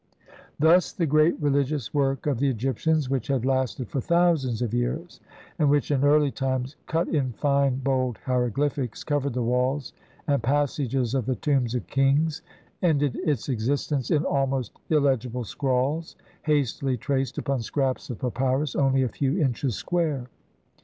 LXXV Thus the great religious work of the Egyptians, which had lasted for thousands of years and which in early times, cut in fine, bold hieroglyphics, covered the walls and passages of the tombs of kings, ended its existence in almost illegible scrawls hastily traced upon scraps of papyrus only a few inches square.